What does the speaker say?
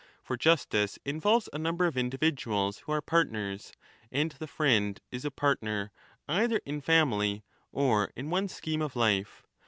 For justice involves a number of indi viduals \vho_are partners, and the friend is a partner either in family or in one's scheme of life.